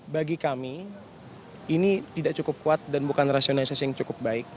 bagi kami ini tidak cukup kuat dan bukan rasionalisasi yang cukup baik